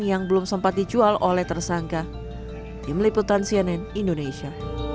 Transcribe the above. yang belum sempat dijual oleh tersangka tim liputan cnn indonesia